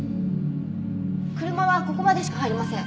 車はここまでしか入れません。